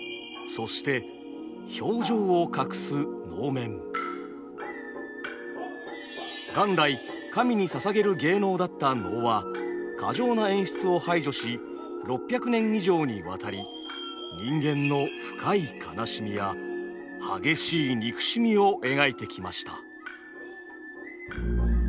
そして元来神に捧げる芸能だった能は過剰な演出を排除し６００年以上にわたり人間の深い悲しみや激しい憎しみを描いてきました。